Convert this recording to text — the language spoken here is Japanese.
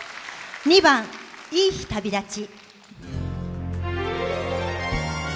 ２番「いい日旅立ち」。